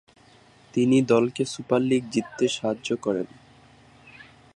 তিনি দলকে super league জিততে সাহায্য করেন।